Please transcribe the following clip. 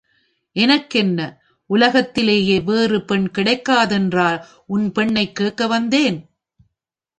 எனக்கென்ன உலகத்திலேயே வேறு பெண் கிடைக்காதென்றா உன் பெண்ணைக் கேட்க வந்தேன்?